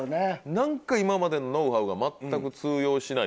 なんか今までのノウハウが全く通用しないっていうか。